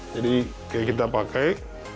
jadi kita pakai